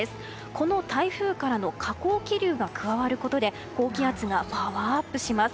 この台風からの下降気流が加わることで高気圧がパワーアップします。